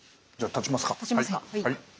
立ちますか。